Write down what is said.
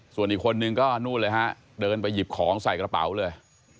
ส่วนอีกคนนึงก็นู่นเลยฮะเดินไปหยิบของใส่กระเป๋าเลย